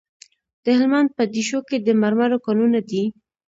د هلمند په دیشو کې د مرمرو کانونه دي.